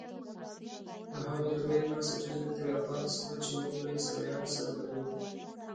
له هغو درېیو بنسټیزو اختلافونو څخه چې موږ له عیسویانو سره لرو.